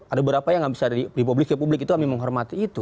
ada beberapa yang nggak bisa di publik ya publik itu kami menghormati itu